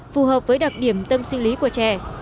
phù hợp với đặc điểm tâm sinh lý của trẻ